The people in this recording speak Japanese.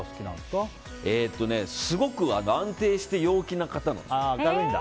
すごく安定して陽気な方なんです。